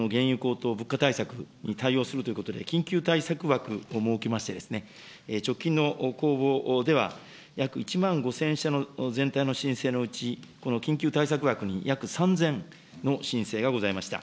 まさに原油高騰、物価対策に対応するということで、金融対策枠を設けまして、直近の公募では約１万５０００社の全体の申請のうち、この緊急対策枠に約３０００の申請がございました。